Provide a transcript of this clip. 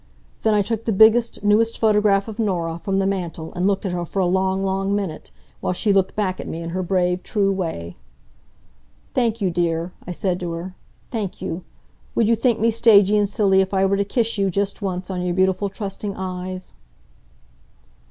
Then I took the biggest, newest photograph of Norah from the mantel and looked at her for a long, long minute, while she looked back at me in her brave true way. "Thank you, dear," I said to her. "Thank you. Would you think me stagey and silly if I were to kiss you, just once, on your beautiful trusting eyes?"